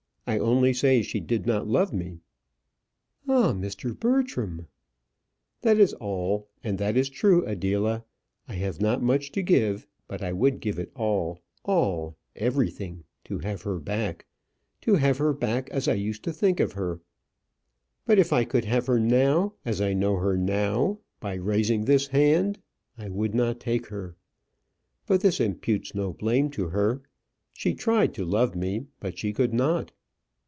I only say she did not love me." "Ah! Mr. Bertram." "That is all; and that is true. Adela, I have not much to give; but I would give it all all everything to have her back to have her back as I used to think her. But if I could have her now as I know her now by raising this hand, I would not take her. But this imputes no blame to her. She tried to love me, but she could not."